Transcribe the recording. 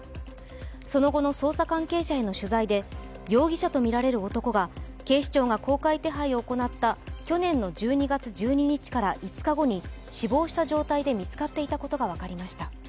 その後の捜査関係者への取材で容疑者と見られる男が警視庁が公開手配を行った去年の１２月１２日から５日後に死亡した状態で見つかっていたことが分かりました。